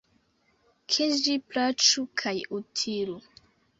Ke ĝi plaĉu kaj utilu!